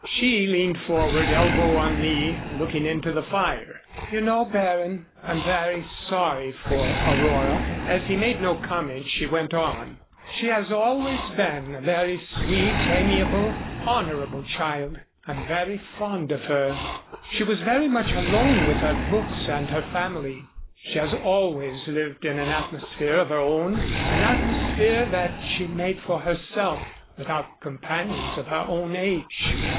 She leaned forward, elbow on knee, looking into the fire. "You know, Baron, I'm very sorry for Aurora." As he made no comment she went on: "She has always been a very sweet, amiable, honorable child. I'm very fond of her. She was very much alone with her books and her family. She has always lived in an atmosphere of her own an atmosphere that she made for herself, without companions of her own age.